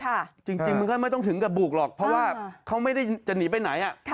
จริงจริงมันก็ไม่ต้องถึงกับบุกหรอกเพราะว่าเขาไม่ได้จะหนีไปไหนอ่ะค่ะ